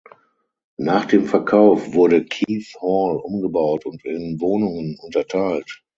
Nach dem Verkauf wurde Keith Hall umgebaut und in Wohnungen unterteilt.